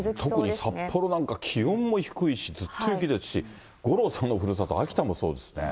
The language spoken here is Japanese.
特に札幌なんか、気温も低いし、ずっと雪ですし、五郎さんのふるさと、秋田もそうですね。